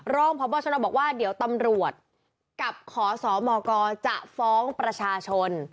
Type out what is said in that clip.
รองพบชนบอกว่าเดี๋ยวตำรวจกับขอสมกจะฟ้องประชาชน